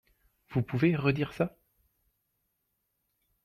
Vous pouvez redire ça ?